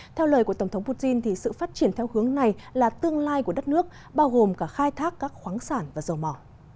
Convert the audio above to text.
theo lời của tổng thống putin sự phát triển theo hướng này là tương lai của đất nước bao gồm cả khai thác các khoáng sản và dầu mỏ